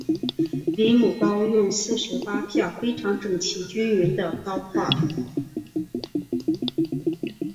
离母糕用四十八片非常整齐均匀的糕块。